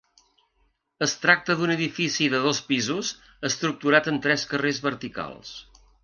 Es tracta d’un edifici de dos pisos, estructurat en tres carrers verticals.